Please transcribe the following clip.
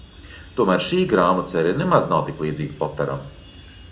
Tomēr šī grāmatu sērija nemaz nav tik līdzīga Poteram.